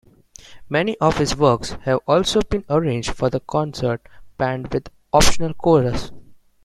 Many of his works have also been arranged for concert band with optional chorus.